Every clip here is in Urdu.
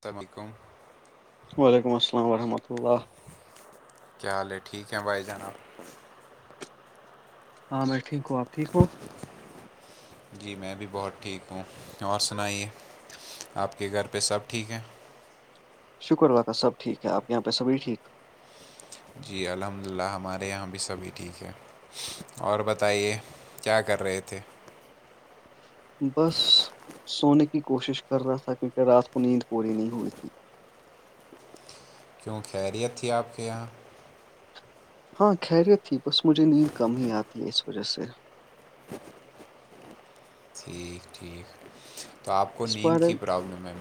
سلام علیکم وعلیکم السلام ورحمۃ اللہ کیا حال ہے ٹھیک ہے بھائی جناب ہاں میں ٹھیک ہوں آپ ٹھیک ہوں جی میں بھی بہت ٹھیک ہوں اور سنائیے آپ کے گھر پہ سب ٹھیک ہیں شکر و باہب ٹھیک ہے آپ یہاں پہ سبھی ٹھیک جی الحمد للہ ہمارے یہاں بھی سبھی ٹھیک ہے اور بتائیے کیا کر رہے تھے بس سونے کی کوشش کر رہا تھا کیونکہ رات کو نیند پوری نہیں ہوی تھی کیوں خیریت تھی آپ کے یہاں ہاں خیریت تھی بس مجھے نیند کم ہی آتی ہے اس وجہ سے ٹھیک ٹھیک تو آپ کو اس نیند بار کی پرابلم ہے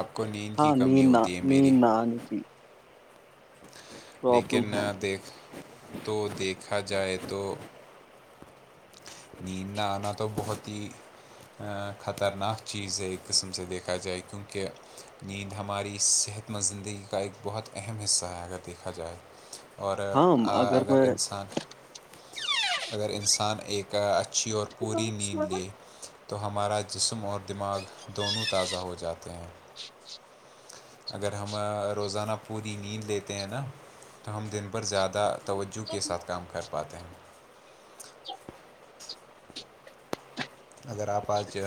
آپ کو نیند کی کمی ہوتی ہے میری جی لیکن ہے دیکھ تو دیکھا جائے تو نیند نہ آنا تو بہت ہی خطرناک چیز ہے ایک قسم سے دیکھا جائے کیونکہ نیند ہماری صحت مند زندگی کا ایک بہت اہم حصہ ہے اگر دیکھا جائے اور ہاں اگر میں انسان اگر انسان ایک کا اچھی اور پوری نیند لے تو ہمارا جسم اور دماغ دونوں تازہ ہو جاتے ہیں جی اگر ہم روزانہ پوری نیند لیتے ہیں نا تو ہم دن بھر زیادہ توجہ کے ساتھ کام کر پاتے ہیں اگر آپ آج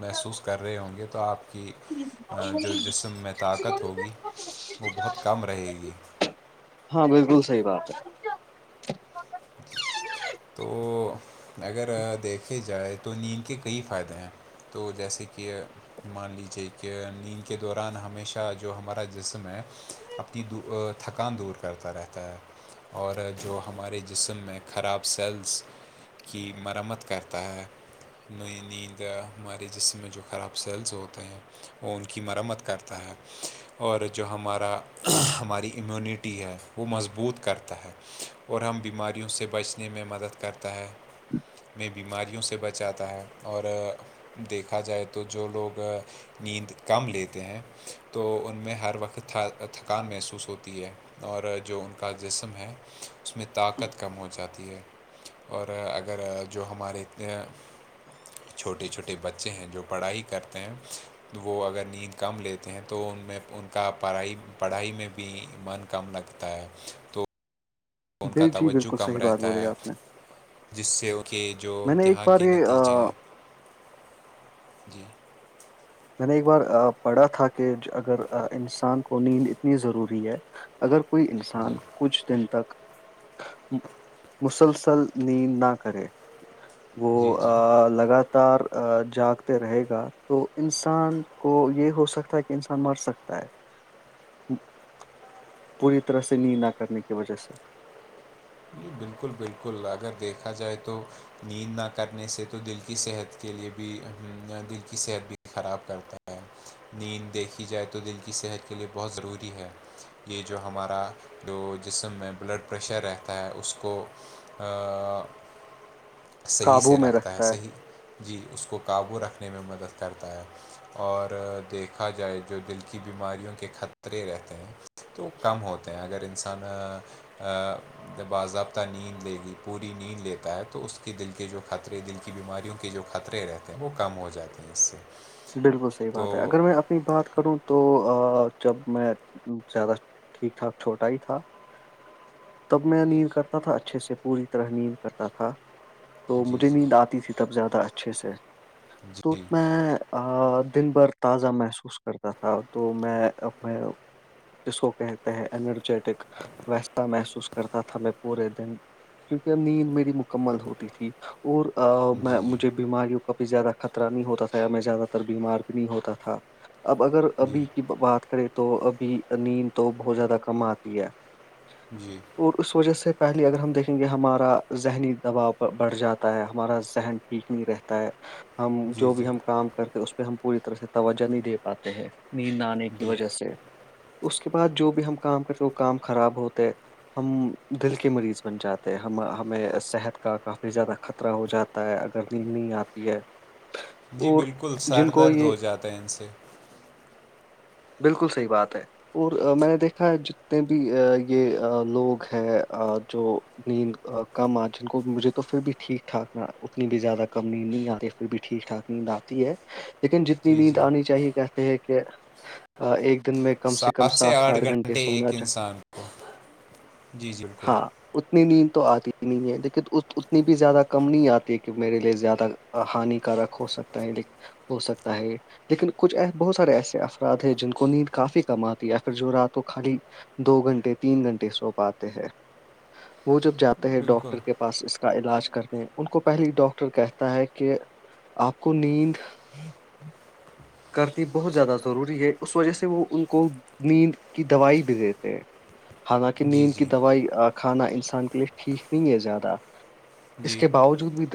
محسوس کر رہے ہوں گے تو آپ کی جو جسم میں طاقت ہوگی وہ بہت کم رہے گی ہاں بالکل صحیح بات ہے تو اگر دیکھے جائے تو نیند کے کئی فائدے ہیں تو جیسے کہ مان لیجیے کہ نیند کے دوران ہمیشہ جو ہمارا جسم ہے اپنی تھکان دور کرتا رہتا ہے اور جو ہمارے جسم میں خراب سیلز کی مرمت کرتا ہے نئی نیند یا ہمارے جسم میں جو خراب سیلز ہوتے ہیں وہ ان کی مرمت کرتا ہے اور جو ہمارا ہماری امیونٹی ہے وہ مضبوط کرتا ہے اور ہم بیماریوں سے بچنے میں مدد کرتا ہے میں بیماریوں سے بچاتا ہے اور دیکھا جائے تو جو لوگ نیند کم لیتے ہیں تو ان میں ہر وقت تھ تھکان محسوس ہوتی ہے اور جو ان کا جسم ہے اس میں طاقت کم ہو جاتا ہے اور اگر جو ہمارے اتنے چھوٹے چھوٹے بچے ہیں جو پڑھائی کرتے ہیں وہ اگر نیند کم لیتے ہیں تو ان میں ان کا پڑھائی پڑھائی میں بھی من کم لگتا ہے ہے تو ان جی کا جی توجہ بالکل کم صحیح بات رہتا بولی ہے آپ نے جس سے ا کہ جو میں نے ایک امتحان بار کے نتیجے یہ ہیں جی میں نے ایک بار پڑھا تھا کہ اگر انسان کو نیند اتنی ضروری ہے اگر کوئی انسان جی کچھ دن تک مسلسل نیند نہ کرے وہ جی جی لگاتار جاگتے رہے گا تو انسان کو یہ ہو سکتا ہے کہ انسان مر سکتا ہے پوری طرح سے نیند نہ کرنے کی وجہ سے جی بالکل بالکل اگر دیکھا جائے تو نیند نہ کرنے سے تو دل کی صحت کے لیے بھی دل کی صحت بھی خراب کرتا ہے نیند دیکھی جائے تو دل کی صحت کے لئے بہت ضروری ہے یہ جو ہمارا جو جسم ہے بلڈ پریشر ہے ہے اس کو صحیح سے رکھتا ہے صحیح جی اس کو قابو رکھنے میں مدد کرتا ہے اور دیکھا جائے جو دل کی بیماریوں کے خطرے رہتے ہیں تو کم ہوتے ہیں اگر انسان ج باضابطہ نیند لے گی پوری نیند لیتا ہے تو اس کے دل کے جو خطرے دل کی بیماریوں کے جو خطرے رہتے ہیں وہ کم ہو جاتے ہیں اس سے بالکل صحیح تو بات ہے اگر میں اپنی بات کروں تو جب میں زیادہ ٹھیک ٹھاک چھوٹا ہی تھا تب میں نیند کرتا تھا اچھے سے پوری طرح نیند کرتا تھا تو جی مجھے نیند جی آتی تھی تب زیادہ اچھے سے تو جی میں دن بھر تازہ محسوس کرتا تھا تو میں میں جس کو کہتے ہیں انرجیٹک ویسا محسوس کرتا تھا میں پورے دن کیونکہ اب نیند میری مکمل ہوتی تھی اور میں جی مجھے بیماریوں کا بھی زیادہ خطرہ نہیں ہوتا تھا میں زیادہ تر بیمار بھی نہیں ہوتا تھا اب اگر جی جی ابھی کی بات کریں تو ابھی نیند تو بہت زیادہ کم آتی ہے جی [unintelligible] اور اس وجہ سے پہلے اگر ہم دیکھیں گے ہمارا ذہنی دباؤ بڑھ جاتا ہے ہمارا ذہن [unintelligible] ٹھیک نہیں رہتا ہے ہم جی جو بھی جی ہم کام کرتے اس پہ ہم پوری طرح سے توجہ نہیں دے پاتے ہیں نیند نہ آنے کی جی وجہ سے اس کے بعد جو بھی ہم کام کرتے وہ کام خراب ہوتے ہم دل کے مریض بن جاتے ہم ہمیں صحت کا کافی زیادہ خطرہ ہو جاتا تا ہے اگر نیند نہیں آتی ہے جی اور بالکل سر جن کو درد یہ ہو جاتا ہے ان سے بالکل صحیح بات ہے اور میں نے دیکھا ہے جتنے بھی یہ لوگ ہیں جو نیند کم آ جن کو مجھے تو پھر بھی ٹھیک ٹھاک ن اتنی بھی زیادہ کم نیند نہیں آتی پھر بھی ٹھیک ٹھاک [unintelligible] نیند آتی ہے لیکن جتنی جی نیند جی آنی چاہیے کہتے ہیں کہ آ، ایک دن میں کم کم سات سے آٹھ گھنٹے سونا ایک چاہیے انسان کو جی جالکل ہاں اتنی نیند تو آتی نہیں ہے لیکن اتنی بھی زیادہ کم نہیں آتی ہے کہ میرے لیے زیادہ ہانیکارک ہو سکتا ہے ہو سکتا ہے لیکن کچھ بہت سارے ایسے ا ے جن کو نیند کافی کم آتی ہےیا پھر جو رات تو خالی دو گھنٹے تین گھنٹے سوپاتے ہیں وہ جب جاتے ہے بالکل ڈاکٹر کے پاس اس کا علاج کر دیں ان کو پہلی ڈاکٹر کہتا ہے کہ آپ کو نیند [unintelligible] کرتی بہت زیادہ ضروری ہے اس وجہ سے وہ ان کو نیند کی دوائی بھی دیتے ہیں حالانکہ جی نیند کی جی دوائی کھانا انسان کے لیئے ٹھیک نہیں ہے زیادہ اس جی کے باوجود بھی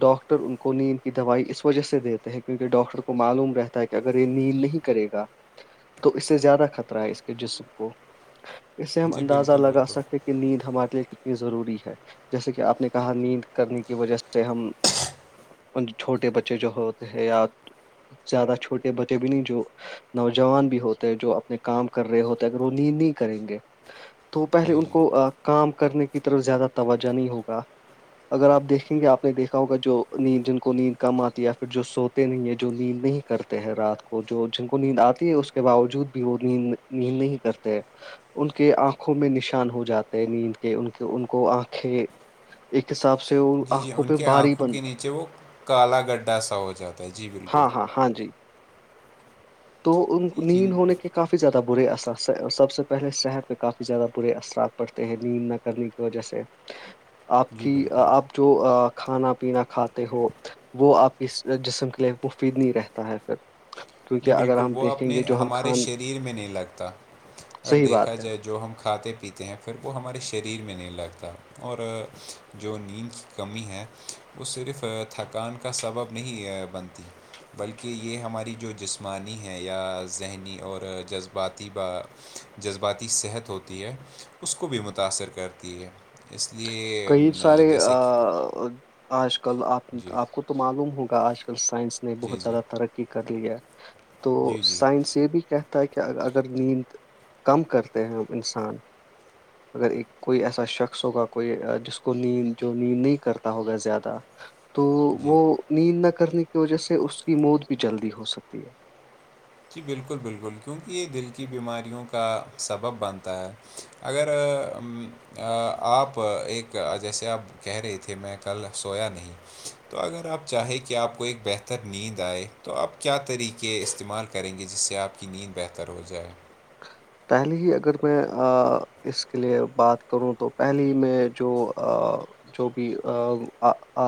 ڈاکٹر ان کو نہیں ان کی دوائی اس وجہ سے دیتے ہیں کیونکہ ڈاکٹر کو معلوم رہتا [unintelligible] تا ہے کہ اگر یہ نیل نہیں کرے گا [unintelligible] تو اس سے زیادہ خطرہ ہے اس کے جسم کو اس سے ہم جی اندازہ بالکل لگا بالکل سکتے کہ کہ نیند ہمارے لیے کتنی ضروری ہے جیسے کہ آپ نے کہا نیند کرنے کی وجہ سے ہم ان چھوٹے بچے جو ہوتے ہیں یا زیادہ چھوٹے بچے بھی نہیں جو نوجوان بھی ہوتے ہیں جو اپنے کام کر رہے ہوتے اگر وہ نیند نہیں کریں گے تو پہلے جی ان جی کو کام کرنے کی طرف زیادہ توجہ نہیں ہوگا اگر آپ دیکھیں گے آپ نے دیکھا ہوگا جو نیند جن کو نیند کم آتی ہے یا پھر جو سوتے نہیں ہیں جو نیند نہیں کرتے ہیں رات کو جو جن کو نیند آتی ہے اس کے باوجود بھی وہ نیند نیند نہیں کرتے ہے ان کے آنکھوں میں نشان ہو جاتے ہیں نیند کے ان کے ان کو آنکھیں ایک حساب سے ان جی جی آنکھوں ان پہ کے بھاری آنکھوں بن کے نیچے وہ کالا گڈھا سا ہو جاتا ہے جی بالکل ہاں ہاں ہاں جی تو ان جی جی نیند ہونے کے کافی زیادہ برے اثر سب سے پہلے صحت پہ کافی زیادہ برے اثرات پڑتے ہیں نیند نہ کرنے کی وجہ سے [unintelligible] آپ کی بالکل آپ جو کھانا پینا کھاتے ہو وہ آپ کی جسم کے لیے مفید نہیں رہتا ہے پھر کیونکہ جی اگر بالکل ہم وہ دیکھیں اپنے گے جو ہم ہمارے کھان شریر میں نہیں لگتا اگر صحیح دیکھا بات ہے جائے جو ہم کھاتے پیتے ہیں پھر وہ ہمارے شریر میں نہیں لگتا اور جو نیند کی کمی ہے وہ صرف تھکان کا سبب نہیں بنتی بلکہ یہ ہماری جو جسمانی ہے یا ذہنی اور جذباتی با جذباتی صحت ہوتی ہے اس کو بھی متاثر کرتی ہے اس لیے کئی سارے جیسے کہ آج کل آپ جی آپ کو تو معلوم ہوگا آج کل سائنس نے جی بہت جی زیادہ ترقی کر لی ہے تو جی جی سائنس یہ بھی کہہ تاکہ اگر نیند کم کرتے ہیں ہم انسان اگر ایک کوئی ایسا شخص ہوگا کوئی جس کو نیند جو نیند نہیں کرتا ہوگا زیادہ تو جی وہ نیند نہ کرنے کی وجہ سے اس کی موت بھی جلدی ہو سکتی ہے جی بالکل بالکل کیونکہ یہ دل کی بیماریوں کا سبب بنتا ہے اگر آپ ایک جیسے آپ کہہ رہے تھے میں کل سویا نہیں تو اگر آپ چاہیں کہ آپ کو ایک بہتر نیند آئے تو آپ کیا طریقے استعمال کریں گے جس سے آپ کی نیند بہتر ہو جائے پہلے ہی اگر میں اس کے لیے بات کروں تو پہلے ہی میں جو جو بھی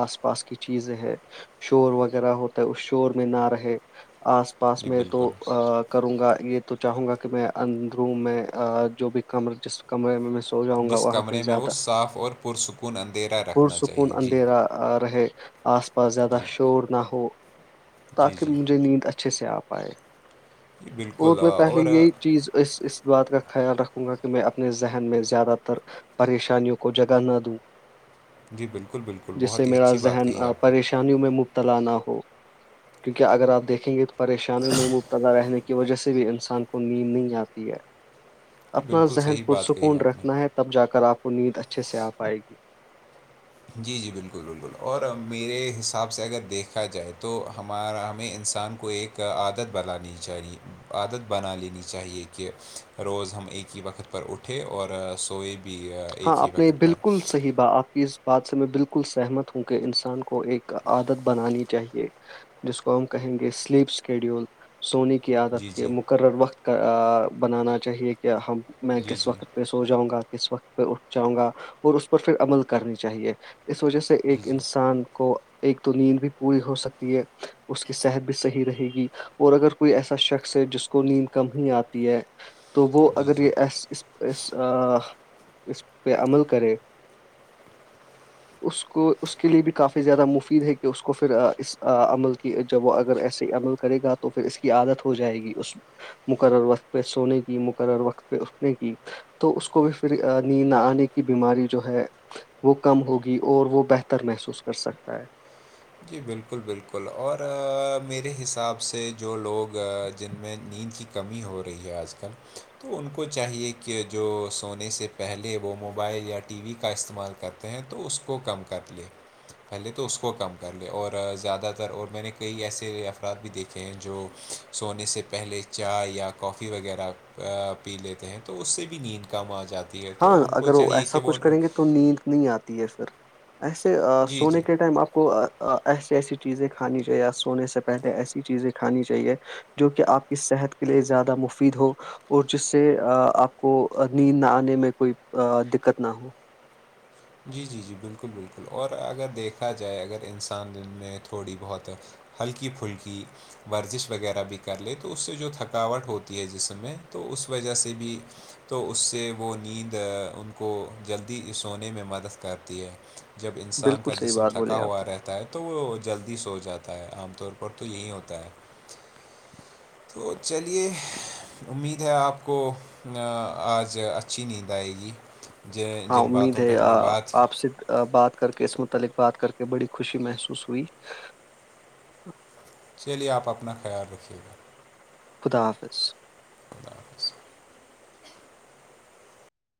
آس پاس کی چیزیں ہے شور وغیرہ ہوتا ہے اس شور میں نہ رہے آس پاس جی میں تو بالکل کروں گا یہ تو چاہوں گا کہ میں اندروم میں جو بھی کمر جس کمرے میں ہو جاؤں گا جس وہاں پہ کمرے میں وہ زیادہ صاف اور پرسکون اندھیرا رکھنا پرسکون چاہیے جی اندھیرا رہے آس پاس زیادہ جی شور نہ ہو جی تاکہ جی مجھے نیند اچھ اچھے سے آ پائے جی اور بالکل میں آ، پہلے آ، یہی چیز اس اس بات کا خیال رکھوں گا کہ میں اپنے ذہن میں زیادہ تر پریشانیوں کو جگہ نہ دوں جی بالکل بالکل جس سے بہت ہی میرا اچھی بات ذہن کہی آپ نے پریش شانیوں میں مبتلا نہ ہو کیونکہ اگر آپ دیکھیں گے تو پریشانیوں میں مبتلا رہنے کے وجہ سے بھی انسان کو نیند نہیں آتی ہے جی اپنا بالکل ذہن صحیح بات کہی پرسکون آپ نے رکھنا ہے تب جا کر آپ کو نیند اچھے سے آ پائے گی جی جی بالکل بالکل اور میرے حساب سے اگر دیکھا جائے تو ہمارا ہمیں انسان کو ایک کا عادت بنانی چاہے عادت بنا لینی چاہیے کہ روز ہم ایک ہی وقت پر اٹھے اور سوئے بھی ہاں ایک ہی آپ نے وقت پر بالکل صحیح با آپ کی بات سے میں بالکل سہمت ہوں کہ انسان کو ایک عادت بنانی چاہیے جس کو ہم کہیں گے سلیپ اسکیڈیول سونی کے کی عادت جی کے جی مقرر وقت کا بنانا چاہیے کہ ہم میں جی کس جی وقت پہ سو جاؤں گا کس وقت پہ اٹھاؤں گا اور اس پر پھر عمل کرنی چاہیے اس وجہ سے جی ایک جی انسان کو ایک تو نیند بھی پوری ہو سکتی ہے اس کی صحت بھی صحیح رہے گی اور اگر کوئی ایسا شخص ہے جس کو نیند کم ہی آتی ہے تو گو جی اگر جی یہ اسس اسس پرس اس پہ عمل کرے اس کو اس کے لیے بھی کافی سے زیادہ مفید ہے کہ اس کو پھر اس عمل کی جب وہ اگر ایسے ہی عمل کرے گا تو پھر اس کی عادت ہو جائے گی اس مقرر وقت پہ سونے کی مقرر وقت پہ اٹھنے کی تو اس کو بھی پھر نیند نہ آنے کی بیماری جو ہے وہ کم ہوگی اور وہ بہتر محسوس کر سکتا ہے جی بالکل بالکل اور میرے حساب سے جو لوگ جن میں نیند کی کمی ہو رہی ہے آج کل تو ان کو چاہیے کہ جو سونے سے پہلے وہ موبائل یا ٹی وی کا استعمال کرتے ہیں تو اس کو کم کر لے پہلے تو اس کو کم کر کر لے اور زیادہ تر اور میں نے کئی ایسے افراد بھی دیکھے ہیں جو سونے سے پہلے چائے یا کافی وغیرہ پی لیتے ہیں تو اس سے بھی نیند کم آ جاتی ہے ہاں تو ان کو اگر وہ چاہیے ایسا کہ کچھ کریں گے تو نیند نہیں آتا ہے پھر ایسے جی جی سونے کے ٹائم آپ کو ایسی ایسی چیزیں کھانی چاہیے آ سونے سے پہلے ایسی چیزیں کھانی چاہیے جو کہ آپ کی صحت کے لیے زیادہ مفید ہو اور جس سے آپ کو نیند نہ آنے میں کوئی دقت نہ ہو جی جی جی بالکل بالکل اور اگر دیکھا جائے اگر انسانن میں تھوڑی بہت ہلکی پھلکی ورزش وغیرہ بھی کر لے تو اس سے جو تھکاوٹ ہوتی ہے جسم میں تو اس وجہ سے بھی تو اس سے وہ نیند ان کو جلدی سونے میں مدد کرتی ہے جب انسان بالکل کا صحیح جسم بات تھکا بولے آپ ہوا رہتا تا ہے تو وہ جلدی سو جاتا ہے عام طور پر تو یہی ہوتا ہے تو چلیے امید ہے آپ کو آج اچھی نیند آئے گی جن ہاں جن امید باتوں ہے پہ ہم نے بات کی آپ سے بات کر کے اس متعلق بات کر کے بڑی خوشی محسوس ہوئی چلیے آپ اپنا خیال رکھیے گا خدا حافظ الدلہ حافظ